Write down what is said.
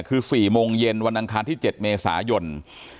คือ๔โมงเย็นวันอังคารที่๗เมษายน